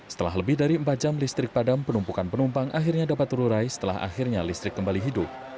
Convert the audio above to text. setelah lebih dari empat jam listrik padam penumpukan penumpang akhirnya dapat terurai setelah akhirnya listrik kembali hidup